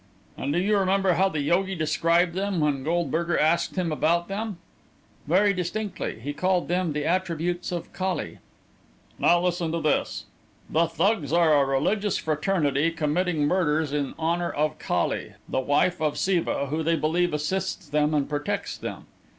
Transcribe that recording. "And do you remember how the yogi described them, when Goldberger asked him about them?" "Very distinctly he called them the attributes of Kali." "Now listen to this: 'The Thugs are a religious fraternity, committing murders in honor of Kali, the wife of Siva, who, they believe, assists them and protects them.